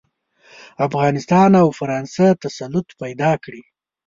افغانستان او فرانسه تسلط پیدا کړي.